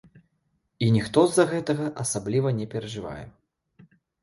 І ніхто з-за гэтага асабліва не перажывае.